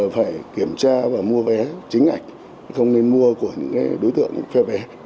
phải kiểm tra và mua vé chính ảnh không nên mua của những đối tượng phê vé